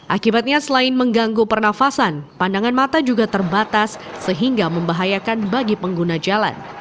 akibatnya selain mengganggu pernafasan pandangan mata juga terbatas sehingga membahayakan bagi pengguna jalan